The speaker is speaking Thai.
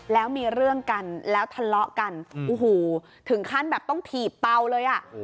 แล้วมีเรื่องกันแล้วทะเลาะกันโอ้โหถึงขั้นแบบต้องถีบเตาเลยอ่ะ